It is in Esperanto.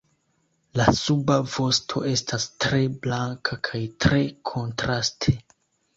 La suba vosto estas tre blanka kaj tre kontraste.